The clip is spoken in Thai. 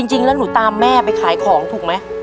จริงแล้วหนูตามแม่ไปขายของถูกไหม